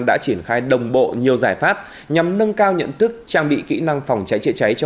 đã triển khai đồng bộ nhiều giải pháp nhằm nâng cao nhận thức trang bị kỹ năng phòng cháy chữa cháy cho